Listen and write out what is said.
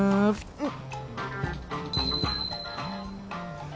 うん。